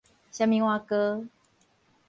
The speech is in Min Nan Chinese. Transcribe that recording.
啥物碗糕